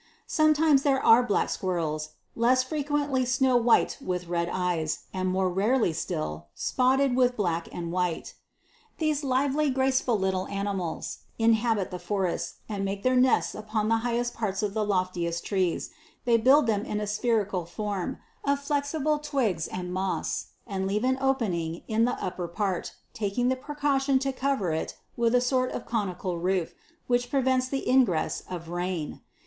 Sometimes there are black squirrels ; less frequently snow white with red eyes ; and more rarely still, spotted with black and white. 23. These lively, graceful little animals inhabit the forests, and make their nests upon the highest parts of the loftiest trees ; they build them in a spherical form, of flexible twigs and moss, and leave an opening in the upper part, taking the precaution to cover it with a sort of conical roof, which prevents the ingress of rain.